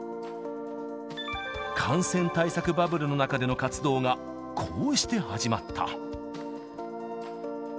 感染対策バブルの中での活動がこうして始まった。